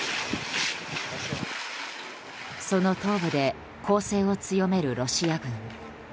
その東部で攻勢を強めるロシア軍。